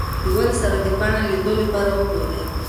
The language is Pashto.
د ونې سر ته د پاڼې لیدو لپاره وګورئ.